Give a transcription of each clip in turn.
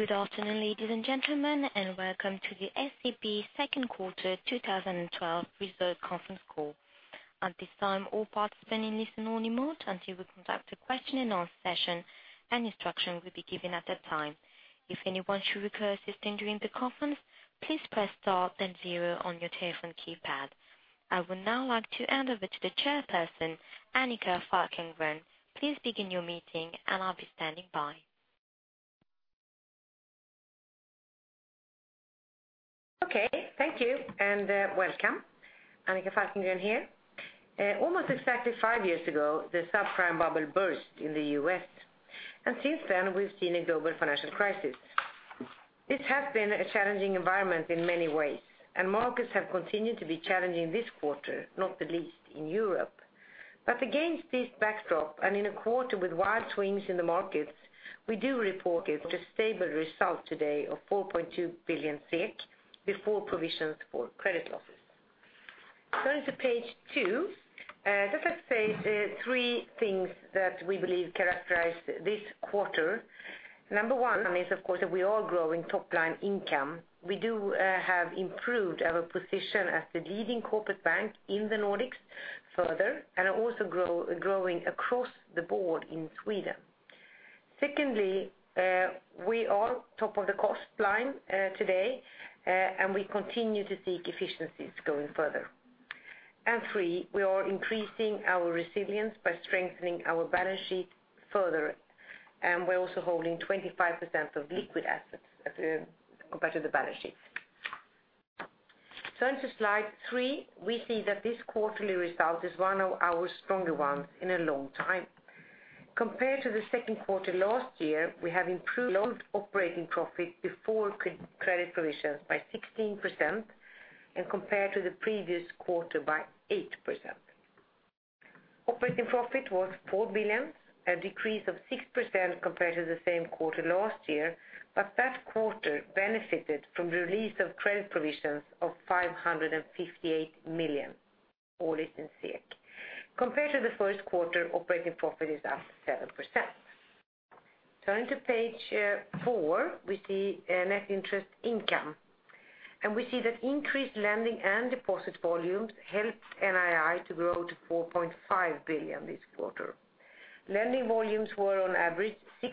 Good afternoon, ladies and gentlemen, and welcome to the SEB 2nd quarter 2012 results conference call. At this time, all participants in listen-only mode until we conduct a question and answer session, an instruction will be given at that time. If anyone should require assistance during the conference, please press star then 0 on your telephone keypad. I would now like to hand over to the chairperson, Annika Falkengren. Please begin your meeting, and I'll be standing by. Okay. Thank you, welcome. Annika Falkengren here. Almost exactly 5 years ago, the subprime bubble burst in the U.S., since then we've seen a global financial crisis. This has been a challenging environment in many ways, markets have continued to be challenging this quarter, not the least in Europe. Against this backdrop and in a quarter with wide swings in the markets, we do report a stable result today of 4.2 billion SEK before provisions for credit losses. Turning to page 2. Just let's say 3 things that we believe characterize this quarter. Number 1 is, of course, that we are growing top-line income. We do have improved our position as the leading corporate bank in the Nordics further and are also growing across the board in Sweden. Secondly, we are top of the cost line today, we continue to seek efficiencies going further. 3, we are increasing our resilience by strengthening our balance sheet further, and we're also holding 25% of liquid assets compared to the balance sheets. Turning to slide 3, we see that this quarterly result is one of our stronger ones in a long time. Compared to the 2nd quarter last year, we have improved loan operating profit before credit provisions by 16% and compared to the previous quarter by 8%. Operating profit was 4 billion, a decrease of 6% compared to the same quarter last year, that quarter benefited from the release of credit provisions of 558 million, all is in SEK. Compared to the 1st quarter, operating profit is up 7%. Turning to page 4, we see net interest income. We see that increased lending and deposit volumes helped NII to grow to 4.5 billion this quarter. Lending volumes were on average 6%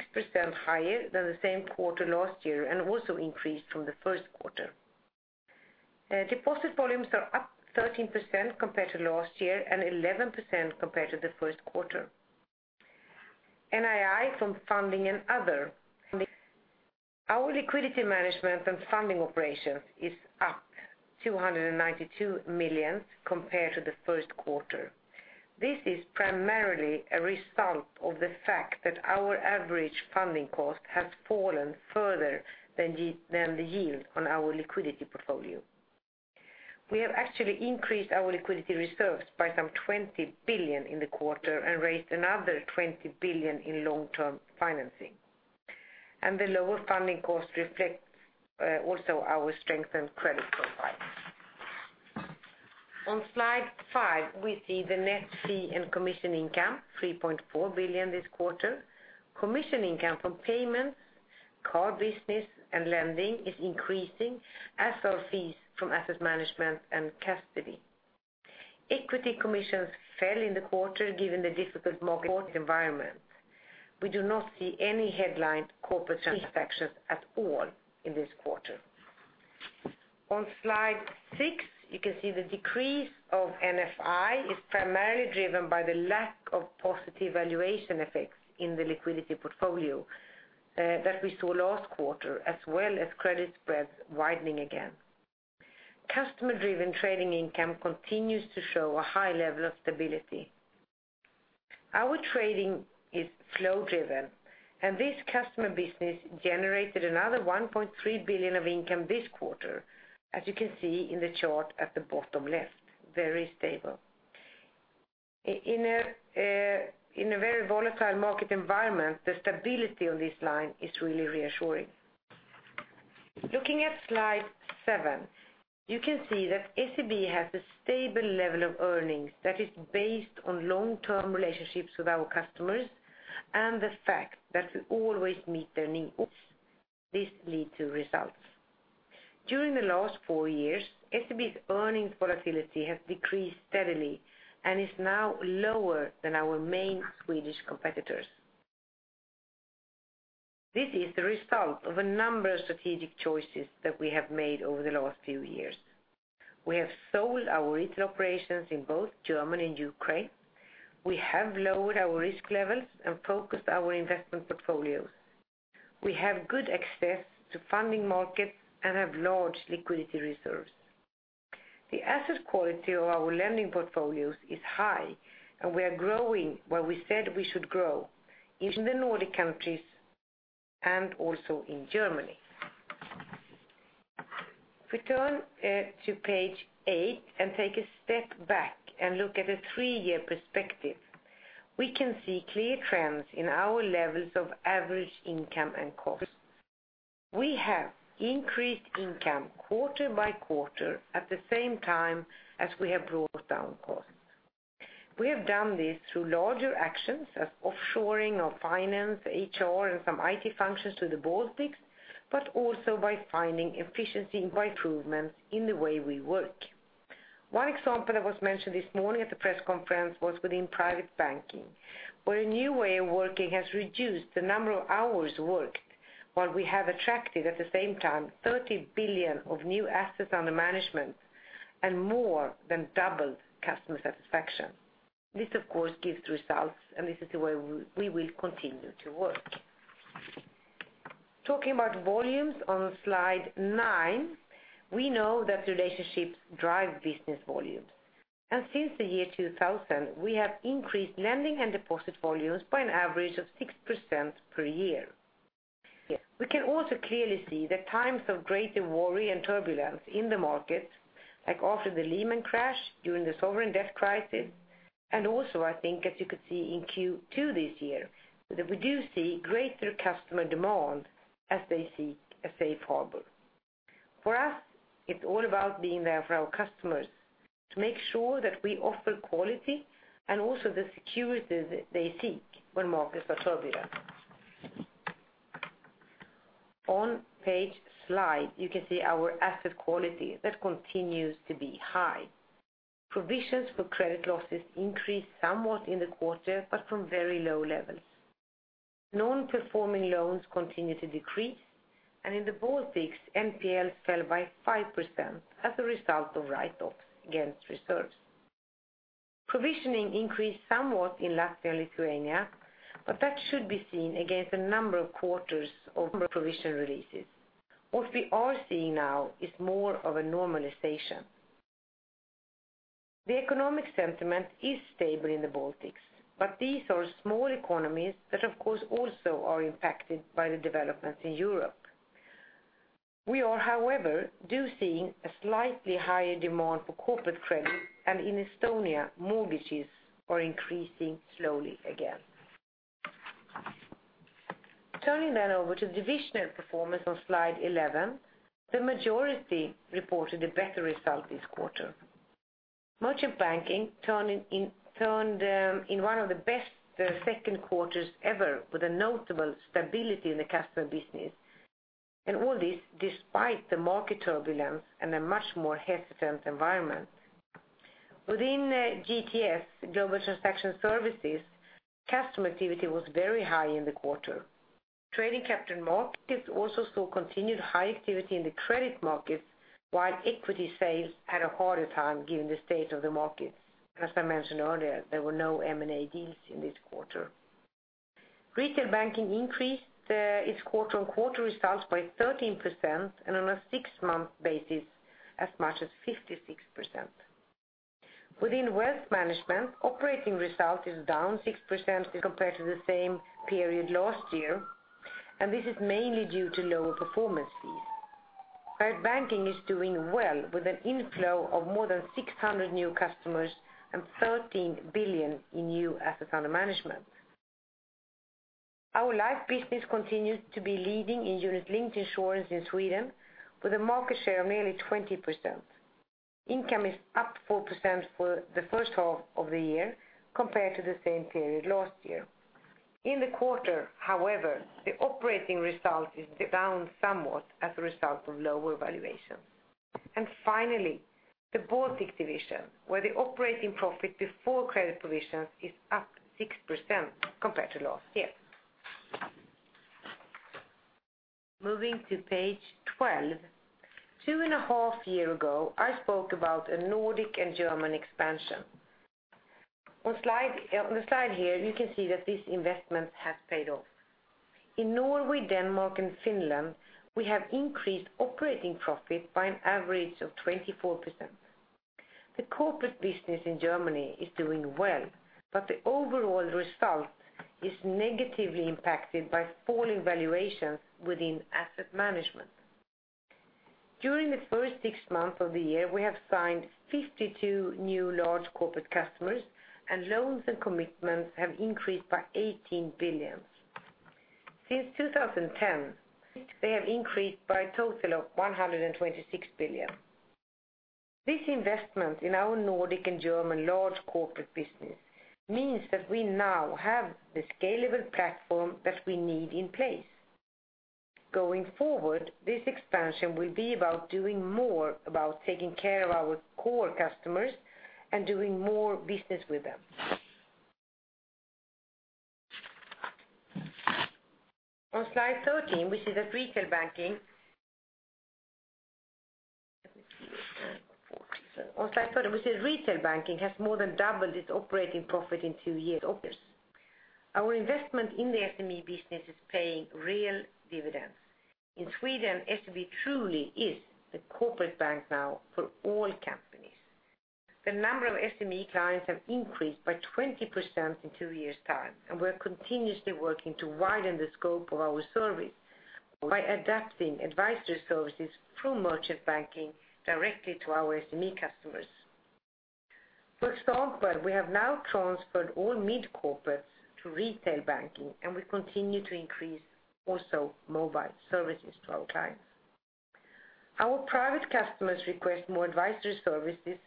higher than the same quarter last year and also increased from the 1st quarter. Deposit volumes are up 13% compared to last year and 11% compared to the 1st quarter. NII from funding and other. Our liquidity management and funding operations is up 292 million compared to the 1st quarter. This is primarily a result of the fact that our average funding cost has fallen further than the yield on our liquidity portfolio. We have actually increased our liquidity reserves by some 20 billion in the quarter and raised another 20 billion in long-term financing. The lower funding cost reflects also our strength and credit profile. On slide 5, we see the net fee and commission income, 3.4 billion this quarter. Commission income from payments, card business, and lending is increasing as are fees from asset management and custody. Equity commissions fell in the quarter given the difficult market environment. We do not see any headline corporate transactions at all in this quarter. On slide six, you can see the decrease of NFI is primarily driven by the lack of positive valuation effects in the liquidity portfolio that we saw last quarter, as well as credit spreads widening again. Customer-driven trading income continues to show a high level of stability. Our trading is flow-driven, and this customer business generated another 1.3 billion of income this quarter, as you can see in the chart at the bottom left, very stable. In a very volatile market environment, the stability on this line is really reassuring. Looking at slide seven, you can see that SEB has a stable level of earnings that is based on long-term relationships with our customers and the fact that we always meet their needs. This leads to results. During the last four years, SEB's earnings volatility has decreased steadily and is now lower than our main Swedish competitors. This is the result of a number of strategic choices that we have made over the last few years. We have sold our retail operations in both Germany and Ukraine. We have lowered our risk levels and focused our investment portfolios. We have good access to funding markets and have large liquidity reserves. The asset quality of our lending portfolios is high, and we are growing where we said we should grow, in the Nordic countries and also in Germany. If we turn to page eight and take a step back and look at a three-year perspective, we can see clear trends in our levels of average income and cost. We have increased income quarter by quarter at the same time as we have brought down costs. We have done this through larger actions as offshoring of finance, HR, and some IT functions to the Baltics, but also by finding efficiency by improvements in the way we work. One example that was mentioned this morning at the press conference was within private banking, where a new way of working has reduced the number of hours worked while we have attracted, at the same time, 30 billion of new assets under management and more than doubled customer satisfaction. This, of course, gives results, and this is the way we will continue to work. Talking about volumes on slide nine, we know that relationships drive business volumes, and since the year 2000 we have increased lending and deposit volumes by an average of 6% per year. We can also clearly see that times of greater worry and turbulence in the market, like after the Lehman crash, during the sovereign debt crisis, and also I think as you could see in Q2 this year, that we do see greater customer demand as they seek a safe harbor. For us, it's all about being there for our customers to make sure that we offer quality and also the security that they seek when markets are turbulent. On page slide, you can see our asset quality that continues to be high. Provisions for credit losses increased somewhat in the quarter but from very low levels. Non-performing loans continue to decrease, in the Baltics, NPLs fell by 5% as a result of write-offs against reserves. Provisioning increased somewhat in Latvia and Lithuania, that should be seen against a number of quarters of provision releases. What we are seeing now is more of a normalization. The economic sentiment is stable in the Baltics, these are small economies that of course also are impacted by the developments in Europe. We are however, seeing a slightly higher demand for corporate credit in Estonia mortgages are increasing slowly again. Turning that over to divisional performance on slide 11, the majority reported a better result this quarter. Merchant banking turned in one of the best second quarters ever with a notable stability in the customer business. All this despite the market turbulence and a much more hesitant environment. Within GTS, Global Transaction Services, customer activity was very high in the quarter. Trading capital markets also saw continued high activity in the credit markets while equity sales had a harder time given the state of the market. As I mentioned earlier, there were no M&A deals in this quarter. Retail banking increased its quarter-on-quarter results by 13% on a six-month basis as much as 56%. Within wealth management, operating result is down 6% compared to the same period last year, this is mainly due to lower performance fees. Private banking is doing well with an inflow of more than 600 new customers and 13 billion in new assets under management. Our life business continues to be leading in unit-linked insurance in Sweden with a market share of nearly 20%. Income is up 4% for the first half of the year compared to the same period last year. In the quarter, however, the operating result is down somewhat as a result of lower valuations. Finally, the Baltic division, where the operating profit before credit provisions is up 6% compared to last year. Moving to page 12. Two and a half year ago, I spoke about a Nordic and German expansion. On the slide here, you can see that this investment has paid off. In Norway, Denmark, and Finland, we have increased operating profit by an average of 24%. The corporate business in Germany is doing well, the overall result is negatively impacted by falling valuations within asset management. During the first six months of the year, we have signed 52 new large corporate customers, loans and commitments have increased by 18 billion. Since 2010, they have increased by a total of 126 billion. This investment in our Nordic and German large corporate business means that we now have the scalable platform that we need in place. Going forward, this expansion will be about doing more about taking care of our core customers and doing more business with them. On slide 13, we see that retail banking has more than doubled its operating profit in two years. Our investment in the SME business is paying real dividends. In Sweden, SEB truly is the corporate bank now for all companies. The number of SME clients have increased by 20% in two years' time, we're continuously working to widen the scope of our service by adapting advisory services through merchant banking directly to our SME customers. For example, we have now transferred all mid-corporates to retail banking, we continue to increase also mobile services to our clients. Our private customers request more advisory services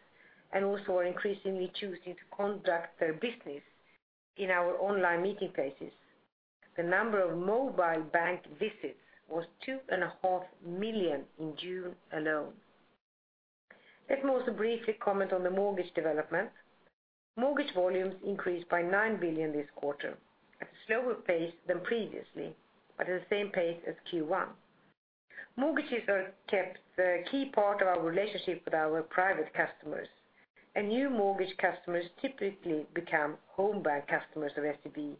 and also are increasingly choosing to conduct their business in our online meeting places. The number of mobile bank visits was two and a half million in June alone. Let me also briefly comment on the mortgage development. Mortgage volumes increased by 9 billion this quarter at a slower pace than previously, but at the same pace as Q1. Mortgages have kept the key part of our relationship with our private customers, and new mortgage customers typically become home bank customers of SEB.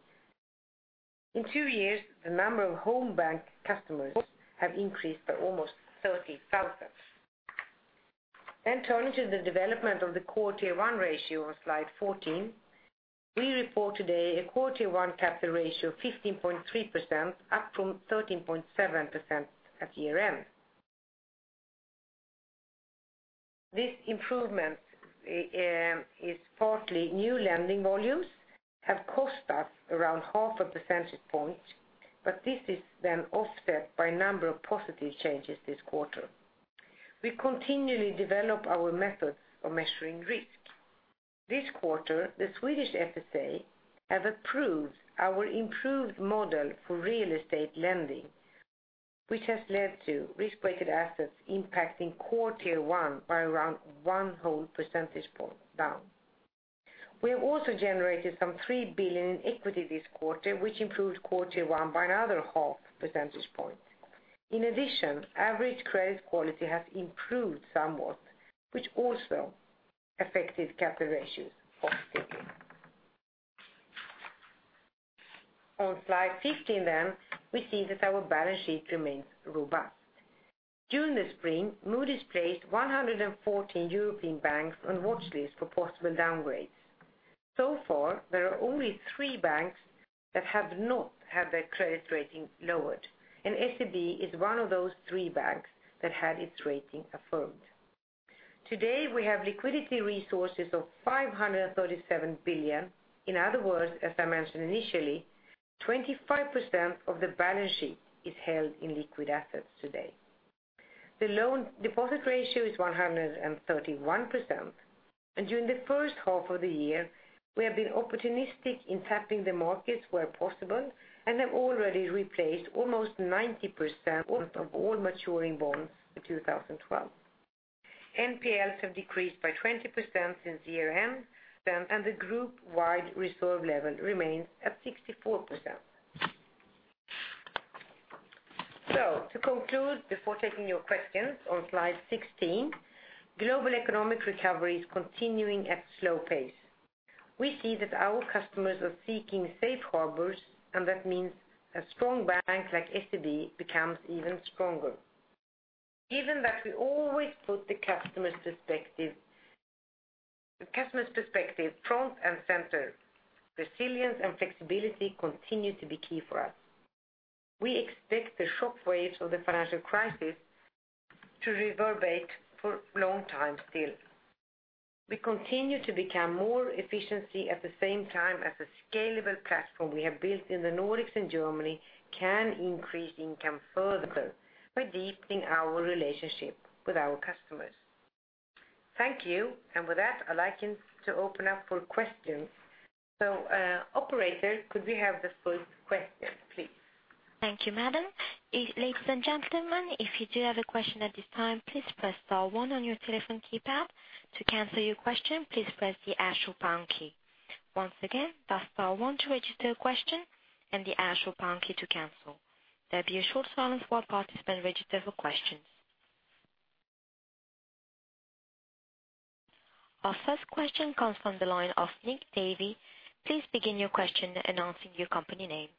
In two years, the number of home bank customers have increased by almost 30,000. Turning to the development of the Core Tier 1 ratio on slide 14. We report today a Core Tier 1 capital ratio of 15.3%, up from 13.7% at year-end. This improvement is partly new lending volumes have cost us around half a percentage point, but this is offset by a number of positive changes this quarter. We continually develop our methods of measuring risk. This quarter, the Swedish FSA have approved our improved model for real estate lending, which has led to risk-weighted assets impacting Core Tier 1 by around one whole percentage point down. We have also generated some 3 billion in equity this quarter, which improved Core Tier 1 by another half percentage point. In addition, average credit quality has improved somewhat, which also affected capital ratios positively. On slide 15, we see that our balance sheet remains robust. During the spring, Moody's placed 114 European banks on watch list for possible downgrades. Far, there are only three banks that have not had their credit rating lowered, and SEB is one of those three banks that had its rating affirmed. Today, we have liquidity resources of 537 billion. In other words, as I mentioned initially, 25% of the balance sheet is held in liquid assets today. The loan deposit ratio is 131%, and during the first half of the year, we have been opportunistic in tapping the markets where possible and have already replaced almost 90% of all maturing bonds in 2012. NPLs have decreased by 20% since year-end, and the group-wide reserve level remains at 64%. To conclude, before taking your questions on slide 16, global economic recovery is continuing at slow pace. We see that our customers are seeking safe harbors, and that means a strong bank like SEB becomes even stronger. Given that we always put the customer's perspective front and center, resilience and flexibility continue to be key for us. We expect the shock waves of the financial crisis to reverberate for long time still. We continue to become more efficiency at the same time as the scalable platform we have built in the Nordics and Germany can increase income further by deepening our relationship with our customers. Thank you. With that, I'd like us to open up for questions. Operator, could we have the first question please? Thank you, madam. Ladies and gentlemen, if you do have a question at this time, please press star one on your telephone keypad. To cancel your question, please press the hashtag pound key. Once again, that's star one to register a question and the hashtag pound key to cancel. There'll be a short silence while participants register for questions. Our first question comes from the line of Nick Davey. Please begin your question announcing your company name.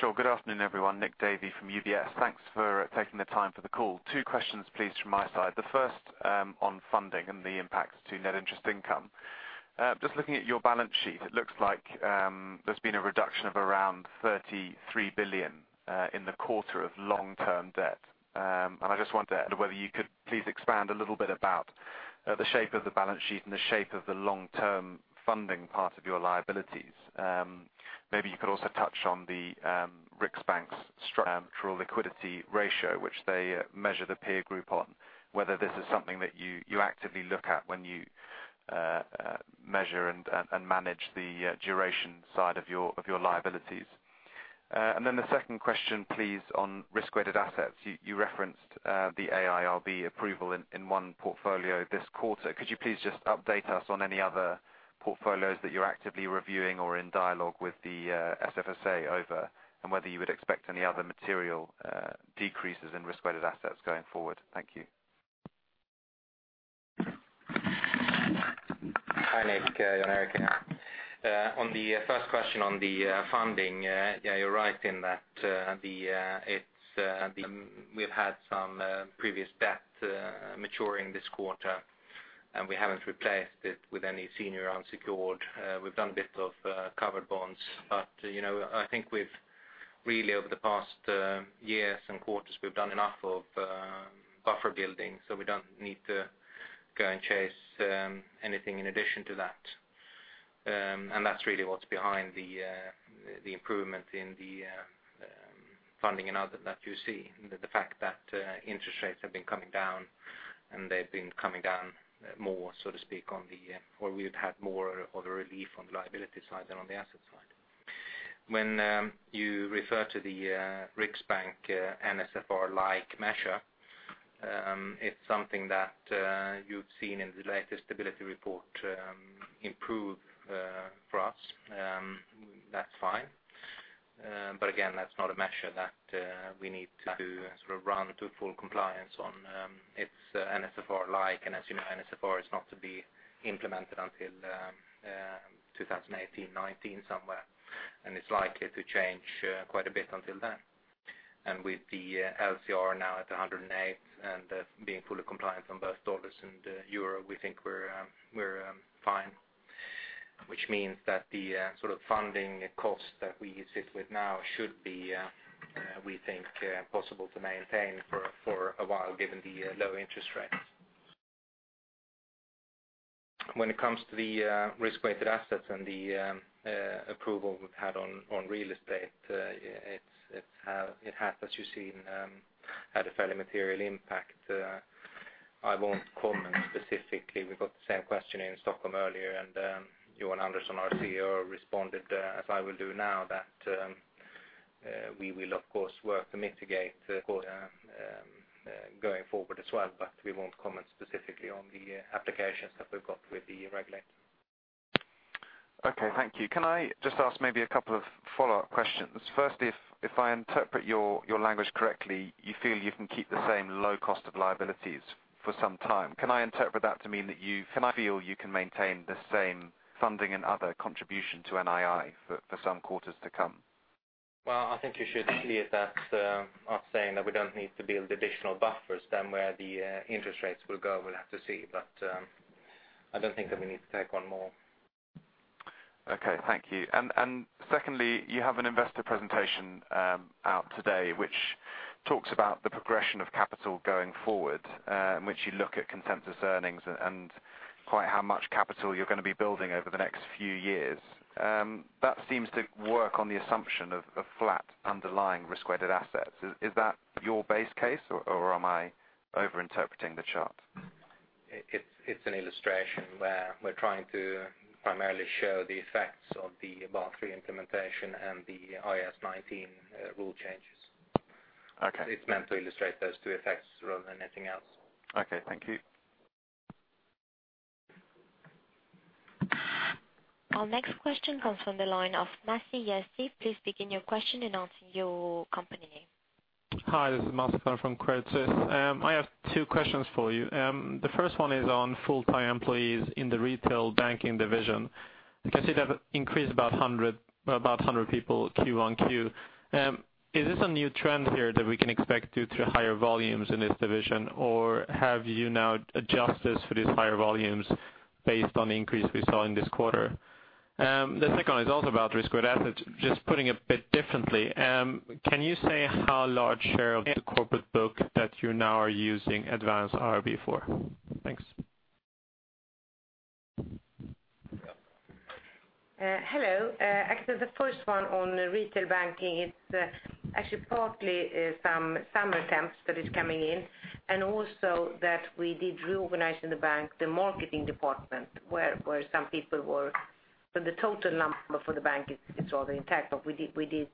Sure. Good afternoon, everyone. Nick Davey from UBS. Thanks for taking the time for the call. Two questions please from my side. The first on funding and the impact to net interest income. Just looking at your balance sheet, it looks like there's been a reduction of around 33 billion in the quarter of long-term debt. I just wonder whether you could please expand a little bit about the shape of the balance sheet and the shape of the long-term funding part of your liabilities. Maybe you could also touch on the Riksbank's structural liquidity ratio, which they measure the peer group on, whether this is something that you actively look at when you measure and manage the duration side of your liabilities. The second question please on risk-weighted assets. You referenced the AIRB approval in one portfolio this quarter. Could you please just update us on any other portfolios that you're actively reviewing or in dialogue with the SFSA over, whether you would expect any other material decreases in risk-weighted assets going forward? Thank you. Hi, Nick. Annika here. On the first question on the funding, yeah, you're right in that we've had some previous debt maturing this quarter, we haven't replaced it with any senior unsecured. We've done a bit of covered bonds, I think we've Really over the past years and quarters, we've done enough of buffer building. We don't need to go and chase anything in addition to that. That's really what's behind the improvement in the funding and other that you see. The fact that interest rates have been coming down, and they've been coming down more, so to speak, or we've had more of a relief on the liability side than on the asset side. When you refer to the Riksbank NSFR-like measure, it's something that you've seen in the latest stability report improve for us. That's fine. Again, that's not a measure that we need to run to full compliance on. It's NSFR-like, as you know, NSFR is not to be implemented until 2018, 2019 somewhere, it's likely to change quite a bit until then. With the LCR now at 108 and being fully compliant on both USD and EUR, we think we're fine, which means that the funding cost that we sit with now should be, we think, possible to maintain for a while given the low interest rates. When it comes to the risk-weighted assets and the approval we've had on real estate, it has, as you've seen, had a fairly material impact. I won't comment specifically. We got the same question in Stockholm earlier, and Johan Andersson, our CEO, responded, as I will do now, that we will, of course, work to mitigate going forward as well. We won't comment specifically on the applications that we've got with the regulator. Okay. Thank you. Can I just ask maybe a couple of follow-up questions? First, if I interpret your language correctly, you feel you can keep the same low cost of liabilities for some time. Can I interpret that to mean that you feel you can maintain the same funding and other contribution to NII for some quarters to come? Well, I think you should see it as us saying that we don't need to build additional buffers. Where the interest rates will go, we'll have to see. I don't think that we need to take on more. Okay. Thank you. Secondly, you have an investor presentation out today which talks about the progression of capital going forward, in which you look at consensus earnings and quite how much capital you're going to be building over the next few years. That seems to work on the assumption of flat underlying risk-weighted assets. Is that your base case, or am I over-interpreting the chart? It's an illustration where we're trying to primarily show the effects of the Basel III implementation and the IFRS 19 rule changes. Okay. It's meant to illustrate those two effects rather than anything else. Okay. Thank you. Our next question comes from the line of Marcel Jaeggi. Please begin your question announcing your company name. Hi. This is Marcel from Credit Suisse. I have two questions for you. The first one is on full-time employees in the retail banking division. I can see they've increased about 100 people Q on Q. Is this a new trend here that we can expect due to higher volumes in this division, or have you now adjusted for these higher volumes based on the increase we saw in this quarter? The second one is also about risk-weighted assets, just putting it a bit differently. Can you say how large share of the corporate book that you now are using advanced IRB for? Thanks. Hello. Actually, the first one on retail banking, it's actually partly some summer temps that is coming in, and also that we did reorganize in the bank the marketing department where some people were. The total number for the bank, it's rather intact, but we did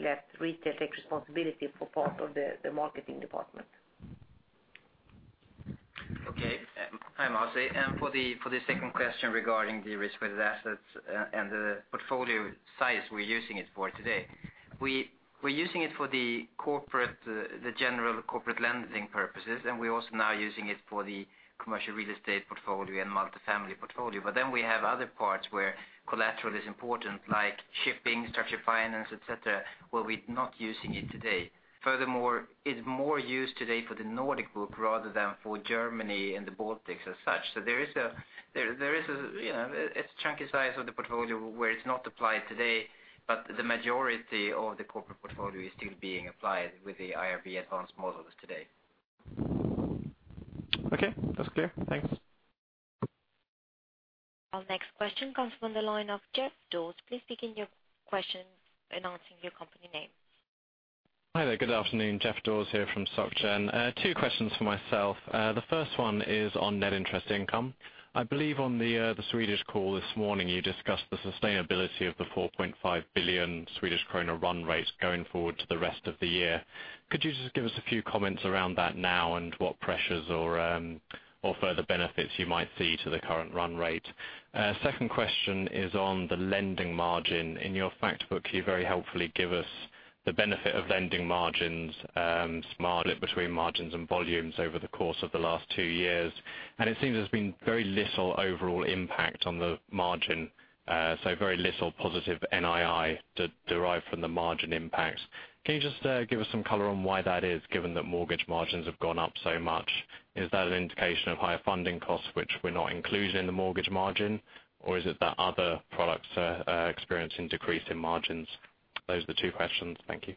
let retail take responsibility for part of the marketing department. Okay. Hi, Marcel. For the second question regarding the risk-weighted assets and the portfolio size we're using it for today. We're using it for the general corporate lending purposes, and we're also now using it for the commercial real estate portfolio and multi-family portfolio. We have other parts where collateral is important, like shipping, structured finance, et cetera, where we're not using it today. Furthermore, it's more used today for the Nordic book rather than for Germany and the Baltics as such. It's a chunky size of the portfolio where it's not applied today, but the majority of the corporate portfolio is still being applied with the IRB advanced models today. Okay. That's clear. Thanks. Our next question comes from the line of Geoff Dawes. Please begin your question announcing your company name. Hi there. Good afternoon. Geoff Dawes here from Societe Generale. Two questions from myself. The first one is on net interest income. I believe on the Swedish call this morning, you discussed the sustainability of the 4.5 billion Swedish krona run rate going forward to the rest of the year. Could you just give us a few comments around that now and what pressures or further benefits you might see to the current run rate? Second question is on the lending margin. In your fact book, you very helpfully give us the benefit of lending margins, split between margins and volumes over the course of the last two years, and it seems there's been very little overall impact on the margin. Very little positive NII derived from the margin impacts. Can you just give us some color on why that is, given that mortgage margins have gone up so much? Is that an indication of higher funding costs which were not included in the mortgage margin, or is it that other products are experiencing decrease in margins? Those are the two questions. Thank you.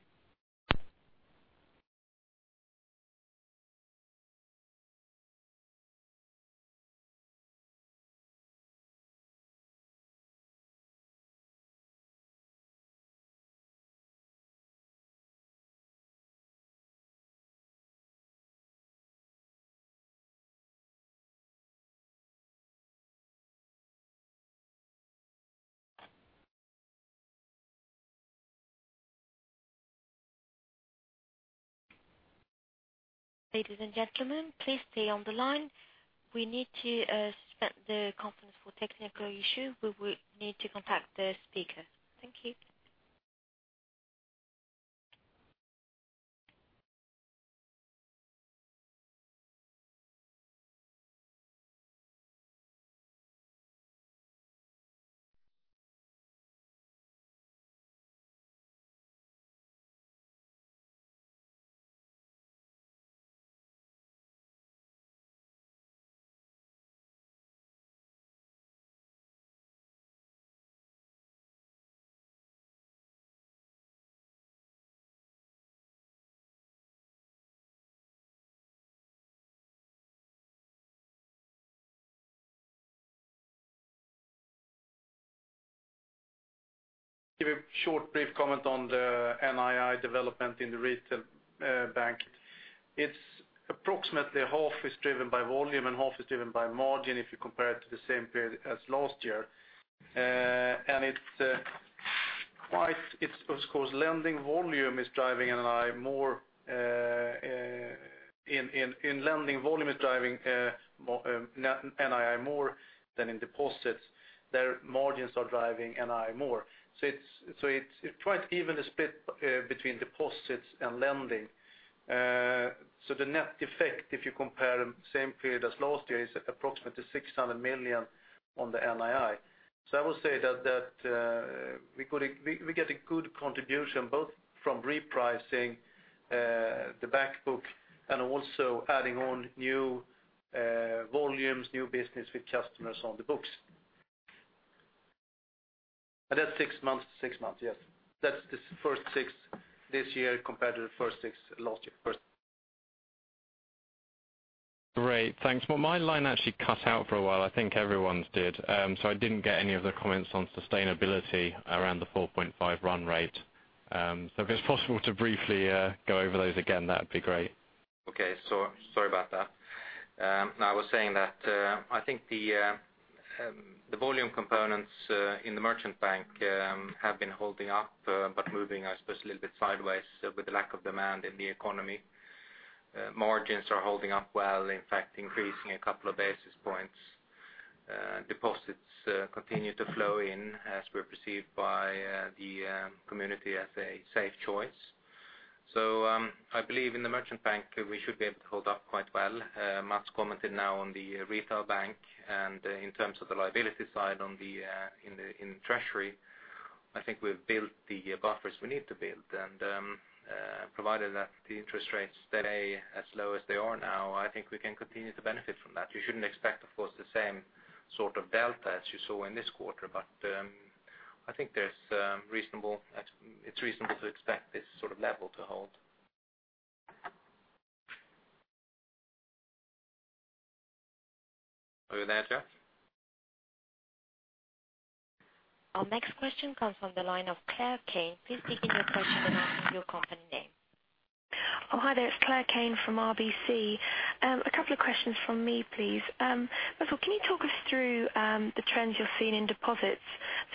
Ladies and gentlemen, please stay on the line. We need to suspend the conference for technical issue. We will need to contact the speaker. Thank you. Give a short, brief comment on the NII development in the Retail Bank. Approximately half is driven by volume and half is driven by margin if you compare it to the same period as last year. Of course, lending volume is driving NII more. In lending, volume is driving NII more than in deposits. There, margins are driving NII more. It's quite an even split between deposits and lending. The net effect, if you compare the same period as last year, is approximately 600 million on the NII. I will say that we get a good contribution both from repricing the back book and also adding on new volumes, new business with customers on the books. That's six months to six months, yes. That's the first six this year compared to the first six last year. Great. Thanks. Well, my line actually cut out for a while. I think everyone's did. I didn't get any of the comments on sustainability around the 4.5 run rate. If it's possible to briefly go over those again, that would be great. Okay, sorry about that. I was saying that I think the volume components in the Merchant Bank have been holding up but moving, I suppose, a little bit sideways with the lack of demand in the economy. Margins are holding up well, in fact, increasing a couple of basis points. Deposits continue to flow in as we're perceived by the community as a safe choice. I believe in the Merchant Bank we should be able to hold up quite well. Mats commented now on the Retail Bank, and in terms of the liability side in treasury, I think we've built the buffers we need to build. Provided that the interest rates stay as low as they are now, I think we can continue to benefit from that. We shouldn't expect, of course, the same sort of delta as you saw in this quarter. I think it's reasonable to expect this sort of level to hold. Are you there, Jack? Our next question comes from the line of Claire Kane. Please begin your question and your company name. Hi there. It's Claire Kane from RBC. A couple of questions from me, please. First of all, can you talk us through the trends you're seeing in deposits?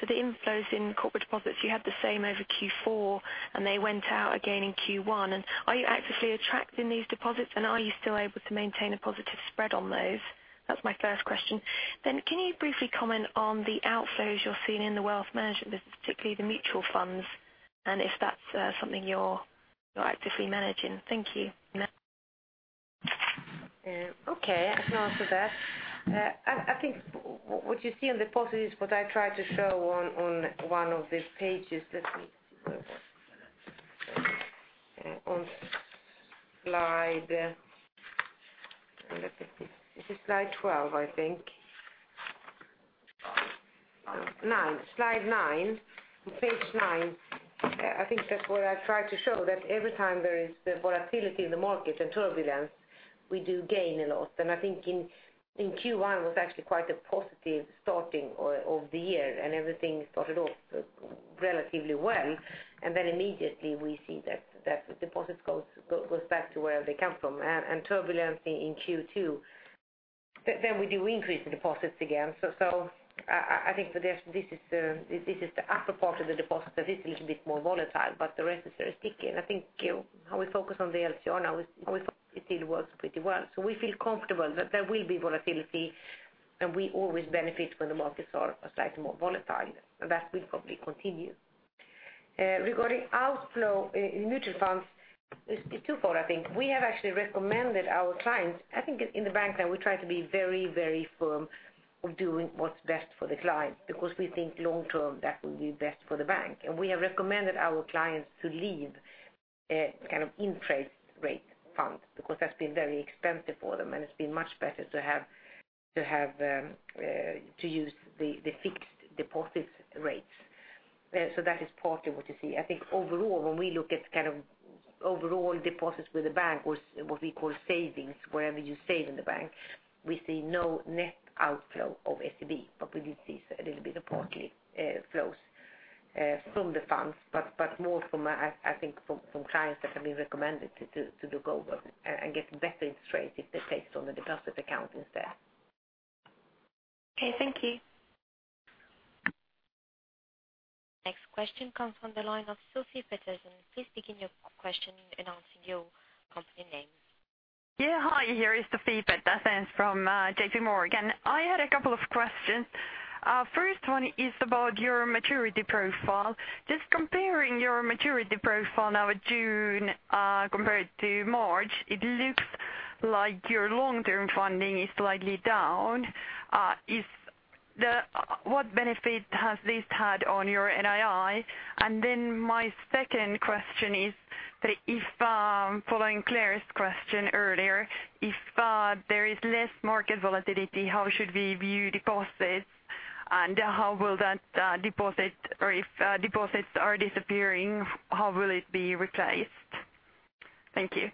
The inflows in corporate deposits, you had the same over Q4, and they went out again in Q1. Are you actively attracting these deposits, and are you still able to maintain a positive spread on those? That's my first question. Can you briefly comment on the outflows you're seeing in the wealth management business, particularly the mutual funds, and if that's something you're actively managing? Thank you. I can answer that. I think what you see on deposit is what I tried to show on one of the pages. Let me see. This is slide 12, I think. Nine. Slide nine. On page nine. I think that's what I tried to show, that every time there is volatility in the market and turbulence, we do gain a lot. I think in Q1 was actually quite a positive starting of the year and everything started off relatively well. Then immediately we see that deposits goes back to where they come from. Turbulence in Q2, then we do increase the deposits again. I think this is the upper part of the deposit that is a little bit more volatile, but the rest is very sticky. I think how we focus on the LCR now, how we focus still works pretty well. We feel comfortable that there will be volatility, and we always benefit when the markets are slightly more volatile, and that will probably continue. Regarding outflow in mutual funds, it's twofold I think. We have actually recommended our clients, I think in the bank that we try to be very firm on doing what's best for the client because we think long term that will be best for the bank. We have recommended our clients to leave interest rate funds because that's been very expensive for them, and it's been much better to use the fixed deposit rates. That is partly what you see. I think overall, when we look at overall deposits with the bank or what we call savings, wherever you save in the bank, we see no net outflow of SEB, but we do see a little bit of partly flows from the funds. More, I think, from clients that have been recommended to do gold and get better interest rates if they take it on the deposit accounts instead. Okay, thank you. Next question comes from the line of Sofie Peterzens. Please begin your question announcing your company name. Hi, here is Sofie Peterzens from JP Morgan. I had a couple of questions. First one is about your maturity profile. Just comparing your maturity profile now at June compared to March, it looks like your long-term funding is slightly down. What benefit has this had on your NII? My second question is, following Claire Kane's question earlier, if there is less market volatility, how should we view deposits, and if deposits are disappearing, how will it be replaced? Thank you.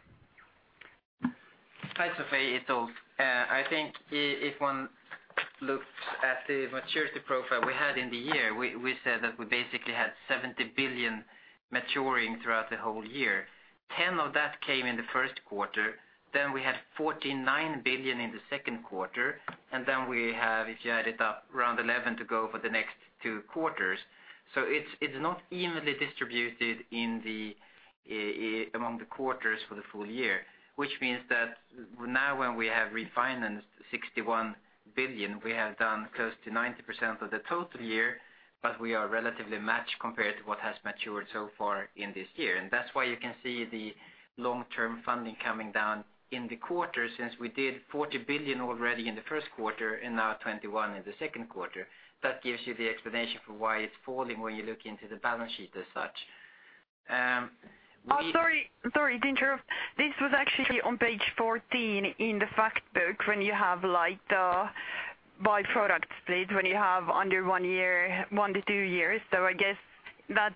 Hi, Sofie. It's Ulf. If one looks at the maturity profile we had in the year, we said that we basically had 70 billion maturing throughout the whole year. 10 billion of that came in the first quarter, we had 49 billion in the second quarter, we have, if you add it up, around 11 billion to go for the next two quarters. It's not evenly distributed among the quarters for the full year. Which means that now when we have refinanced 61 billion, we have done close to 90% of the total year, but we are relatively matched compared to what has matured so far in this year. That's why you can see the long-term funding coming down in the quarter, since we did 40 billion already in the first quarter and now 21 billion in the second quarter. That gives you the explanation for why it's falling when you look into the balance sheet as such. Sorry to interrupt. This was actually on page 14 in the fact book, when you have the by product split, when you have under one year, one to two years. I guess that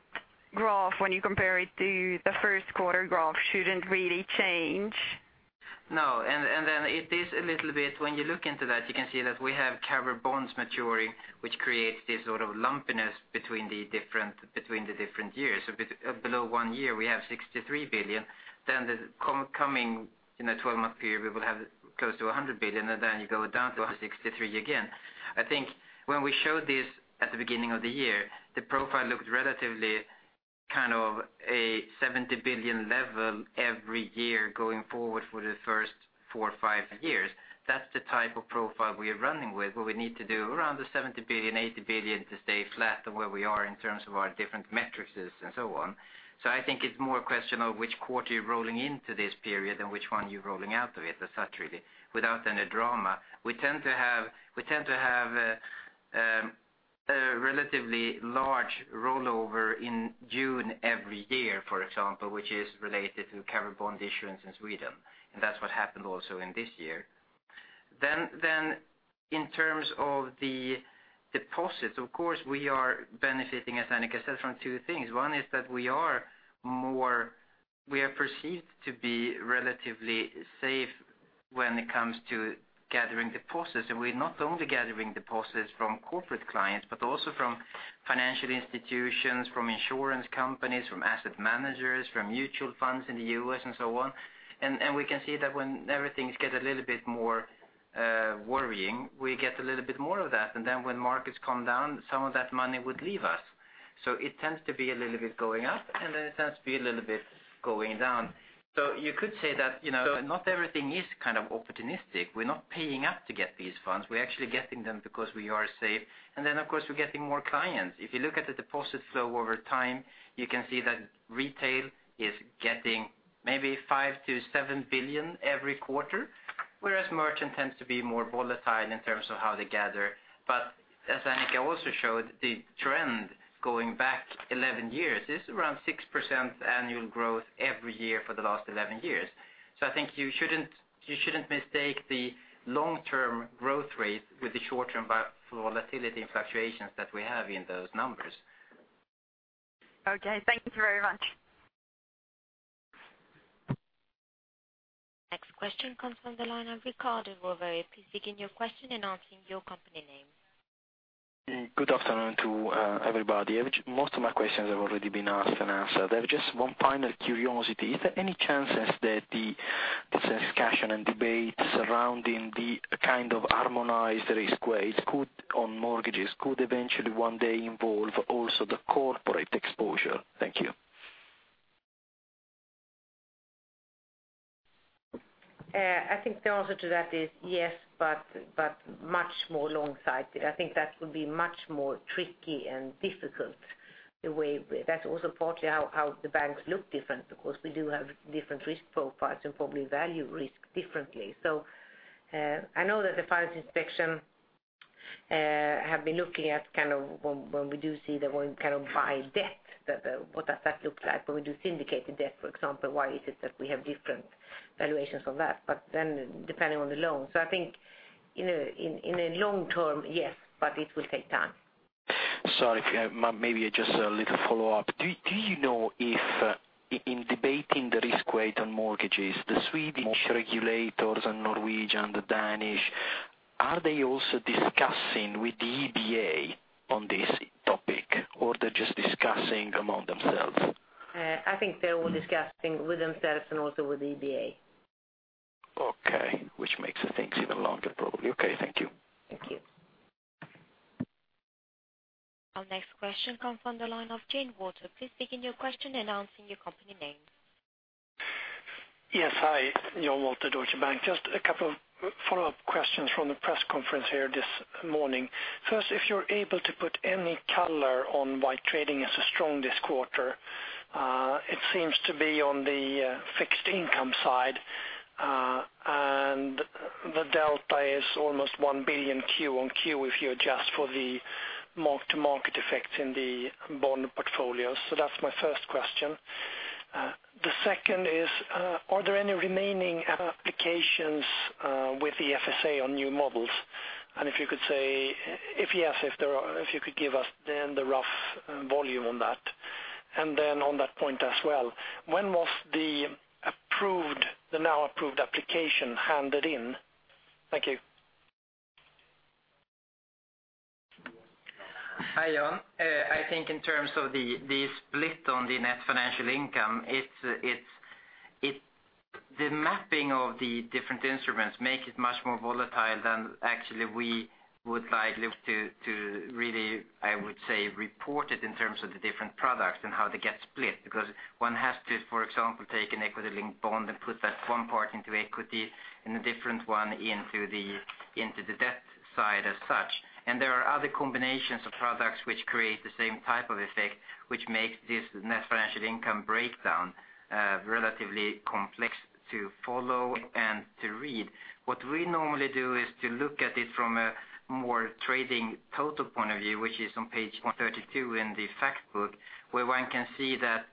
graph, when you compare it to the first quarter graph, shouldn't really change. It is a little bit when you look into that, you can see that we have covered bonds maturing, which creates this lumpiness between the different years. Below one year, we have 63 billion. The coming 12-month period, we will have close to 100 billion, and then you go down to 63 billion again. I think when we showed this at the beginning of the year, the profile looked relatively a 70 billion level every year going forward for the first four or five years. That is the type of profile we are running with, where we need to do around 70 billion-80 billion to stay flat on where we are in terms of our different metrics and so on. I think it is more a question of which quarter you are rolling into this period and which one you are rolling out of it, as such really, without any drama. We tend to have a relatively large rollover in June every year, for example, which is related to covered bond issuance in Sweden, and that is what happened also in this year. In terms of the deposits, of course, we are benefiting, as Annika said, from two things. One is that we are perceived to be relatively safe when it comes to gathering deposits, and we are not only gathering deposits from corporate clients, but also from financial institutions, from insurance companies, from asset managers, from mutual funds in the U.S. and so on. We can see that when everything gets a little bit more worrying, we get a little bit more of that. When markets come down, some of that money would leave us. It tends to be a little bit going up, and then it tends to be a little bit going down. You could say that not everything is opportunistic. We are not paying up to get these funds. We are actually getting them because we are safe. Of course, we are getting more clients. If you look at the deposit flow over time, you can see that retail is getting maybe 5 billion-7 billion every quarter, whereas merchant tends to be more volatile in terms of how they gather. As Annika also showed, the trend going back 11 years is around 6% annual growth every year for the last 11 years. I think you should not mistake the long-term growth rate with the short-term volatility and fluctuations that we have in those numbers. Okay. Thank you very much. Next question comes from the line of Riccardo Rovere. Please begin your question and answer your company name. Good afternoon to everybody. Most of my questions have already been asked and answered. I have just one point of curiosity. Is there any chances that the discussion and debate surrounding the harmonized risk weights on mortgages could eventually one day involve also the corporate exposure? Thank you. I think the answer to that is yes, but much more long-sighted. I think that would be much more tricky and difficult. That's also partly how the banks look different, because we do have different risk profiles and probably value risk differently. I know that the Finansinspektionen have been looking at when we do see that when buy debt, what does that look like? When we do syndicated debt, for example, why is it that we have different valuations of that? Depending on the loan. I think in the long term, yes, but it will take time Sorry. Maybe just a little follow-up. Do you know if in debating the risk weight on mortgages, the Swedish regulators and Norwegian, the Danish, are they also discussing with the EBA on this topic or they're just discussing among themselves? I think they're all discussing with themselves and also with EBA. Okay. Which makes things even longer, probably. Okay. Thank you. Thank you. Our next question comes from the line of Jan Wolter. Please begin your question announcing your company name. Yes. Hi. Jan Wolter, Deutsche Bank. Just a couple of follow-up questions from the press conference here this morning. First, if you are able to put any color on why trading is strong this quarter, it seems to be on the fixed income side, and the delta is almost 1 billion Q on Q if you adjust for the mark-to-market effect in the bond portfolio. That is my first question. The second is, are there any remaining applications with the FSA on new models? If you could say, if yes, if you could give us then the rough volume on that. On that point as well, when was the now approved application handed in? Thank you. Hi, John. I think in terms of the split on the net financial income, the mapping of the different instruments make it much more volatile than actually we would like to really, I would say, report it in terms of the different products and how they get split. Because one has to, for example, take an equity link bond and put that one part into equity and a different one into the debt side as such. There are other combinations of products which create the same type of effect, which makes this net financial income breakdown relatively complex to follow and to read. What we normally do is to look at it from a more trading total point of view, which is on page 132 in the fact book, where one can see that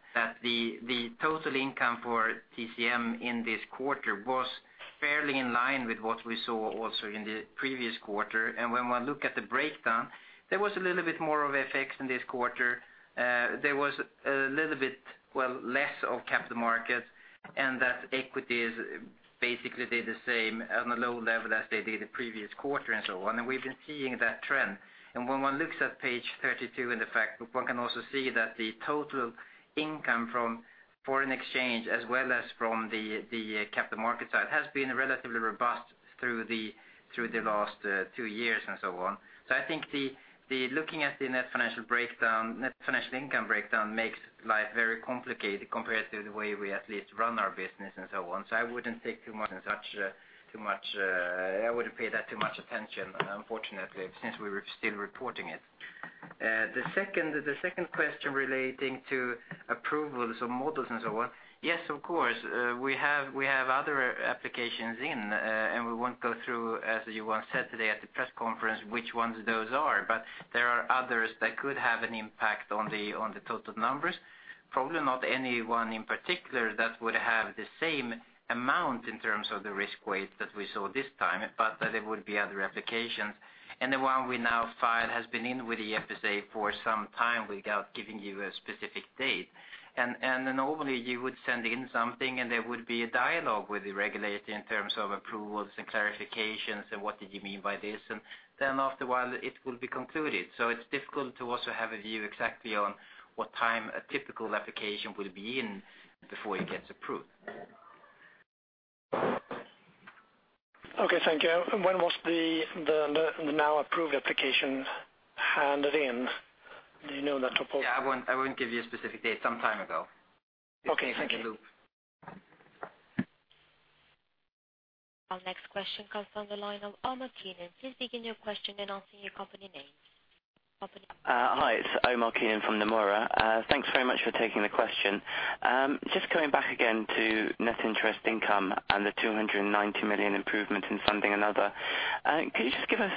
the total income for GTS in this quarter was fairly in line with what we saw also in the previous quarter. When one look at the breakdown, there was a little bit more of FX in this quarter. There was a little bit less of capital markets, and that equity basically did the same on a low level as they did the previous quarter and so on. We have been seeing that trend. When one looks at page 32 in the fact book, one can also see that the total income from foreign exchange as well as from the capital market side has been relatively robust through the last two years and so on. I think looking at the net financial income breakdown makes life very complicated compared to the way we at least run our business and so on. I would not pay that too much attention, unfortunately, since we were still reporting it. The second question relating to approvals of models and so on. Yes, of course, we have other applications in, we will not go through, as Johan Andersson said today at the press conference, which ones those are, but there are others that could have an impact on the total numbers. Probably not any one in particular that would have the same amount in terms of the risk weight that we saw this time, but that there would be other applications. The one we now filed has been in with the FSA for some time without giving you a specific date. Normally you would send in something, there would be a dialogue with the regulator in terms of approvals and clarifications, what did you mean by this? Then after a while it will be concluded. It's difficult to also have a view exactly on what time a typical application will be in before it gets approved. Okay, thank you. When was the now approved application handed in? Do you know that approximately? I won't give you a specific date. Sometime ago. Okay. Thank you. Our next question comes from the line of Omar Keenan. Please begin your question then announce your company name. Hi, it's Omar Keenan from Nomura. Thanks very much for taking the question. Just coming back again to net interest income and the 290 million improvement in funding another. Could you just give us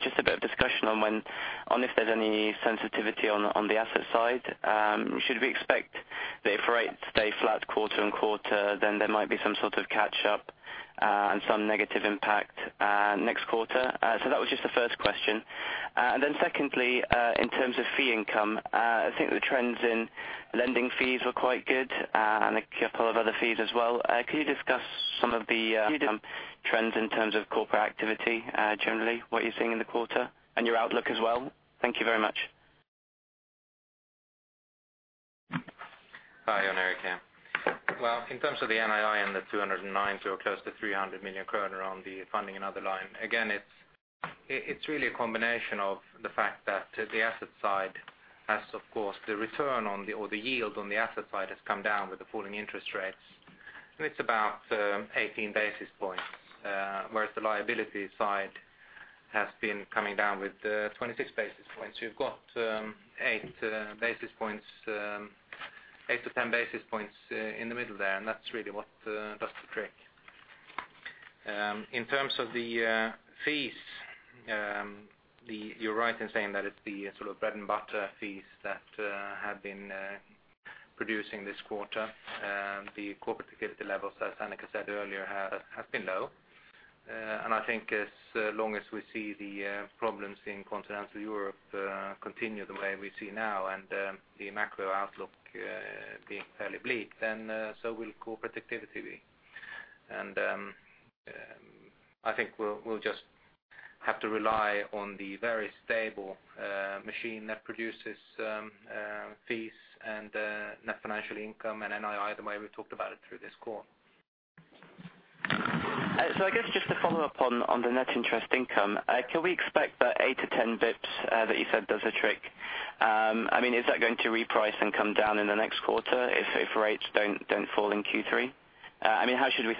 just a bit of discussion on if there's any sensitivity on the asset side? Should we expect that if rates stay flat quarter and quarter, then there might be some sort of catch up, and some negative impact next quarter? That was just the first question. Secondly, in terms of fee income, I think the trends in lending fees were quite good, and a couple of other fees as well. Could you discuss some of the trends in terms of corporate activity, generally what you're seeing in the quarter and your outlook as well? Thank you very much. Hi, Omar. Well, in terms of the NII and the 209, so close to 300 million kronor on the funding and other line. Again, it's really a combination of the fact that the asset side has, of course, the return on the or the yield on the asset side has come down with the falling interest rates, and it's about 18 basis points, whereas the liability side has been coming down with 26 basis points. You've got 8 to 10 basis points in the middle there, and that's really what does the trick. In terms of the fees, you're right in saying that it's the sort of bread and butter fees that have been producing this quarter. The corporate activity levels, as Annika said earlier, have been low. I think as long as we see the problems in continental Europe continue the way we see now, the macro outlook being fairly bleak, so will corporate activity be. I think we'll just have to rely on the very stable machine that produces fees and net financial income and NII the way we talked about it through this call. I guess just to follow up on the net interest income, can we expect that 8-10 basis points that you said does the trick? Is that going to reprice and come down in the next quarter if rates don't fall in Q3? How should we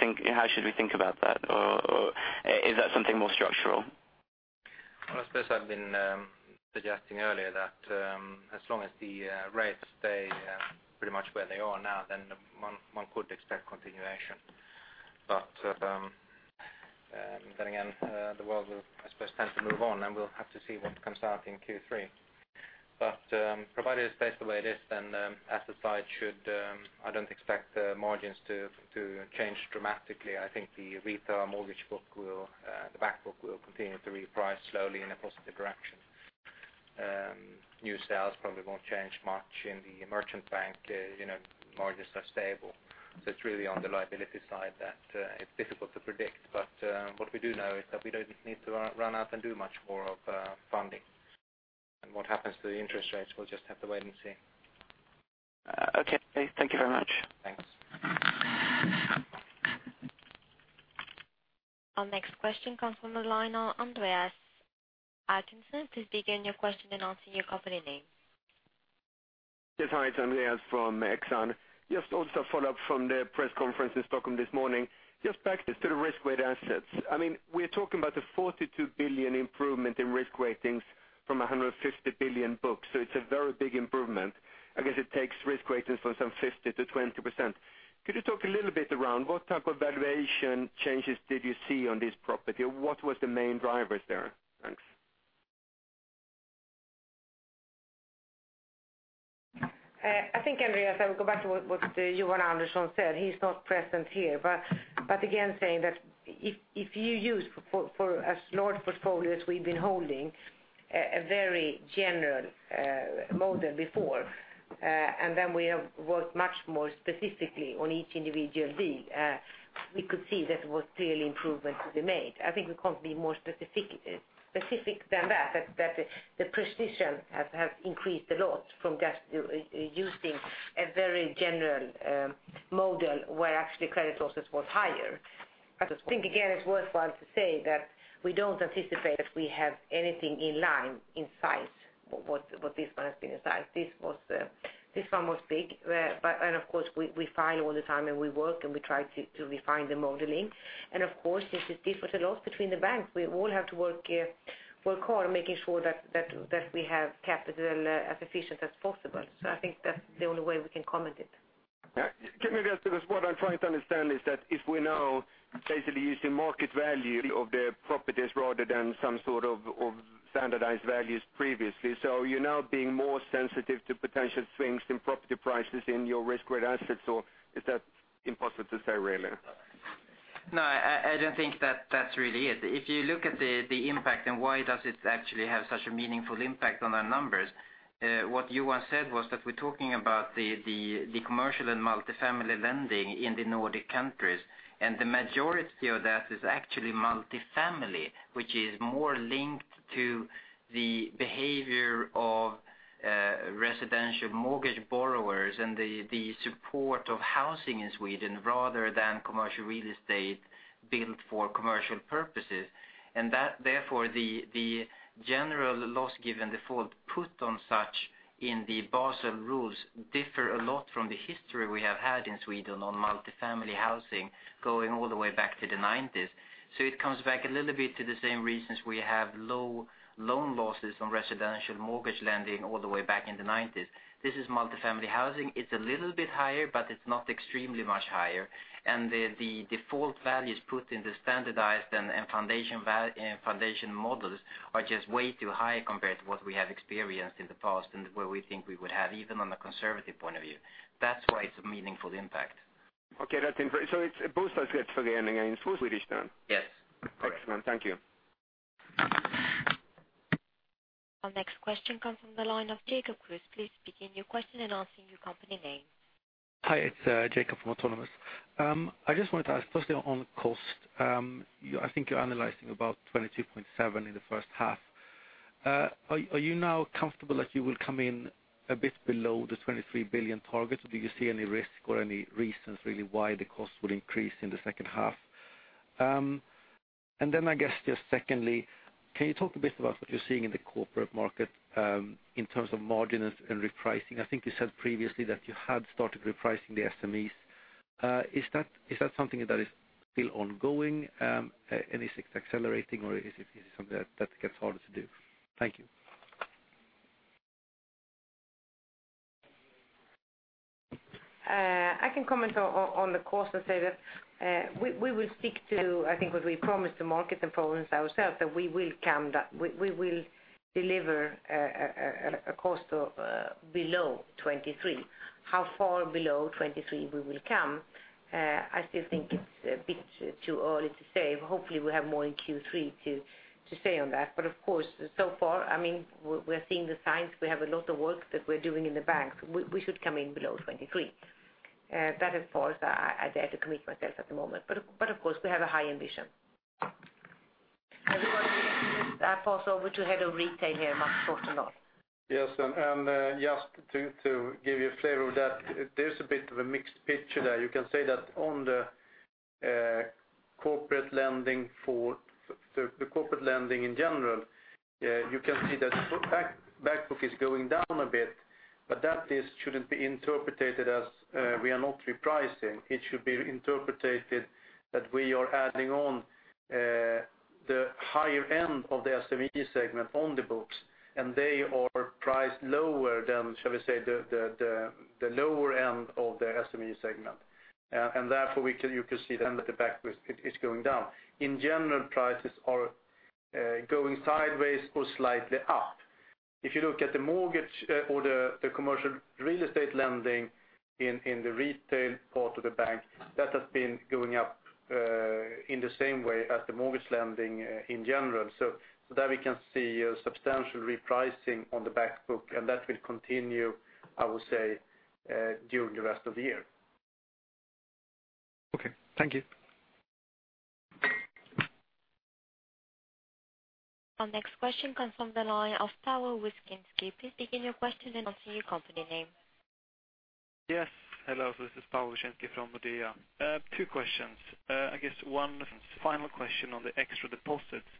think about that? Is that something more structural? I suppose I've been suggesting earlier that as long as the rates stay pretty much where they are now, one could expect continuation. Again the world will, I suppose, tend to move on and we'll have to see what comes out in Q3. Provided it stays the way it is, asset side should, I don't expect the margins to change dramatically. I think the retail mortgage book, the back book will continue to reprice slowly in a positive direction. New sales probably won't change much in the merchant bank. Margins are stable. It's really on the liability side that it's difficult to predict. What we do know is that we don't need to run out and do much more of funding. What happens to the interest rates, we'll just have to wait and see. Okay. Thank you very much. Thanks. Our next question comes from the line of Andreas Håkansson. Please begin your question and answer your company name. Yes. Hi, it's Andreas from Exane. Just also a follow-up from the press conference in Stockholm this morning. Just back to the risk-weighted assets. We are talking about a 42 billion improvement in risk ratings from 150 billion books. It's a very big improvement. I guess it takes risk ratings from some 50% to 20%. Could you talk a little bit around what type of valuation changes did you see on this property, or what were the main drivers there? Thanks. I think, Andreas, I would go back to what Johan Andersson said. He's not present here. Again, saying that if you use for as large portfolios we've been holding a very general model before, then we have worked much more specifically on each individual deal we could see that there were clearly improvements to be made. I think we can't be more specific than that the precision has increased a lot from just using a very general model where actually credit losses were higher. I just think, again, it's worthwhile to say that we don't anticipate that we have anything in line, in sight, what this one has been in sight. This one was big. Of course we file all the time, and we work, and we try to refine the modeling. Of course, this differs a lot between the banks. We all have to work hard making sure that we have capital as efficient as possible. I think that's the only way we can comment it. Can I just, because what I'm trying to understand is that if we now basically using market value of the properties rather than some sort of standardized values previously. You're now being more sensitive to potential swings in property prices in your risk-weighted assets, or is that impossible to say really? No, I don't think that really is. If you look at the impact and why does it actually have such a meaningful impact on our numbers? What Johan said was that we're talking about the commercial and multifamily lending in the Nordic countries, and the majority of that is actually multifamily, which is more linked to the behavior of residential mortgage borrowers and the support of housing in Sweden rather than commercial real estate built for commercial purposes. The general loss given default put on such in the Basel rules differ a lot from the history we have had in Sweden on multifamily housing going all the way back to the '90s. It comes back a little bit to the same reasons we have low loan losses on residential mortgage lending all the way back in the '90s. This is multifamily housing. It's a little bit higher, but it's not extremely much higher. The default values put in the standardized and foundation models are just way too high compared to what we have experienced in the past and where we think we would have, even on a conservative point of view. That's why it's a meaningful impact. Okay. It's Yes. Correct. Excellent. Thank you. Our next question comes from the line of Jacob Kruse. Please begin your question and answer your company name. Hi, it's Jacob from Autonomous. I just wanted to ask firstly on cost. I think you're analyzing about 22.7 billion in the first half. Are you now comfortable that you will come in a bit below the 23 billion target, or do you see any risk or any reasons really why the cost would increase in the second half? Then I guess just secondly, can you talk a bit about what you're seeing in the corporate market in terms of margin and repricing? I think you said previously that you had started repricing the SMEs. Is that something that is still ongoing? Is it accelerating, or is it something that gets harder to do? Thank you. I can comment on the cost and say that we will stick to, I think what I promised the market and promised ourselves that we will deliver a cost below 23 billion. How far below 23 billion we will come, I still think it's a bit too early to say. Hopefully, we have more in Q3 to say on that. Of course, so far, we're seeing the signs. We have a lot of work that we're doing in the bank. We should come in below 23 billion. That is far as I dare to commit myself at the moment. Of course, we have a high ambition. I will pass over to Head of Retail here, Mats Torstendahl. Yes, just to give you a flavor of that, there's a bit of a mixed picture there. You can say that on the corporate lending in general, you can see that back book is going down a bit, that shouldn't be interpreted as we are not repricing. It should be interpreted that we are adding on the higher end of the SME segment on the books, they are priced lower than, shall we say, the lower end of the SME segment. Therefore you can see then that the back book is going down. In general, prices are going sideways or slightly up. If you look at the mortgage or the commercial real estate lending in the retail part of the bank, that has been going up in the same way as the mortgage lending in general. There we can see a substantial repricing on the back book, that will continue, I would say, during the rest of the year. Okay. Thank you. Our next question comes from the line of Pawel Wyszynski. Please begin your question and state your company name. Yes. Hello, this is Pawel Wyszynski from Nordea. Two questions. One final question on the extra deposits.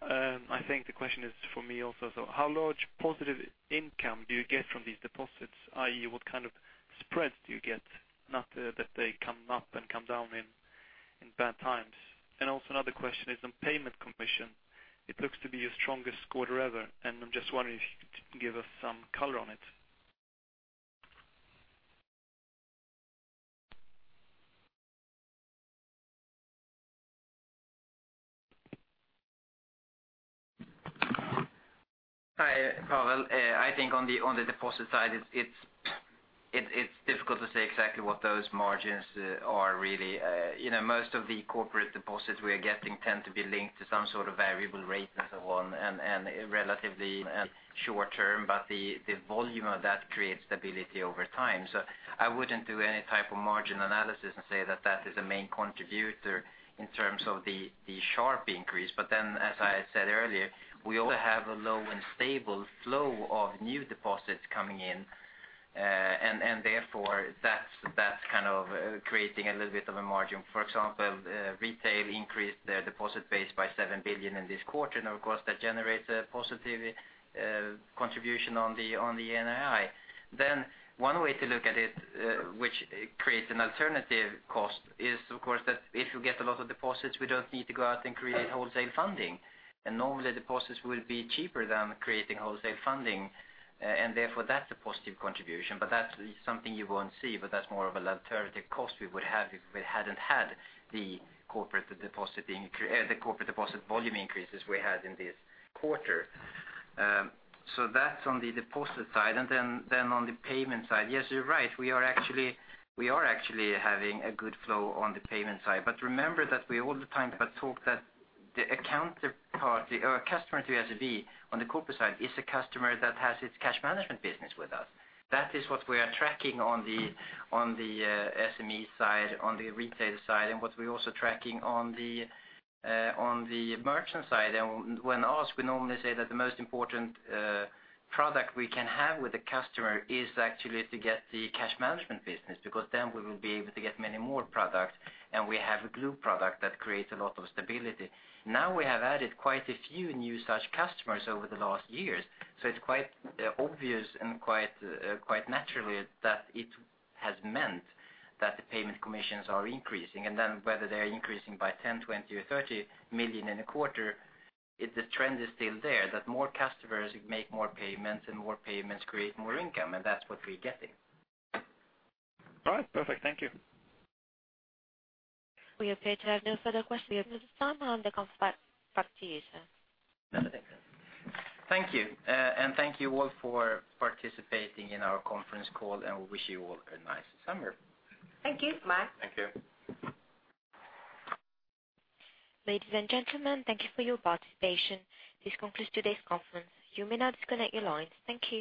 I think the question is for me also. How large positive income do you get from these deposits, i.e. what kind of spreads do you get now that they come up and come down in bad times? Another question is on payment commission. It looks to be your strongest quarter ever, I'm just wondering if you could give us some color on it. Hi, Pawel. On the deposit side, it's difficult to say exactly what those margins are really. Most of the corporate deposits we are getting tend to be linked to some sort of variable rate, relatively short-term, but the volume of that creates stability over time. I wouldn't do any type of margin analysis and say that that is a main contributor in terms of the sharp increase. As I said earlier, we only have a low and stable flow of new deposits coming in, that's creating a little bit of a margin. For example, retail increased their deposit base by 7 billion in this quarter, that generates a positive contribution on the NII. One way to look at it which creates an alternative cost is, that if you get a lot of deposits, we don't need to go out and create wholesale funding. Normally deposits will be cheaper than creating wholesale funding, that's a positive contribution. That's something you won't see, but that's more of an alternative cost we would have if we hadn't had the corporate deposit volume increases we had in this quarter. That's on the deposit side, on the payment side. Yes, you're right, we are actually having a good flow on the payment side. Remember that we all the time talk that the counterparty or customer to SEB on the corporate side is a customer that has its cash management business with us. That is what we are tracking on the SME side, on the retail side, what we're also tracking on the merchant side. When asked, we normally say that the most important product we can have with a customer is actually to get the cash management business because then we will be able to get many more products, we have a glue product that creates a lot of stability. Now we have added quite a few new such customers over the last years. It's quite obvious and quite naturally that it has meant that the payment commissions are increasing. Whether they're increasing by 10 million, 20 million, or 30 million in a quarter, the trend is still there, that more customers make more payments, more payments create more income, that's what we're getting. All right, perfect. Thank you. We appear to have no further questions. The floor back to you, sir. Thank you. Thank you all for participating in our conference call, and we wish you all a nice summer. Thank you. Bye. Thank you. Ladies and gentlemen, thank you for your participation. This concludes today's conference. You may now disconnect your lines. Thank you.